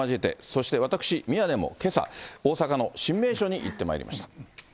そして私、宮根もけさ、大阪の新名所に行ってまいりました。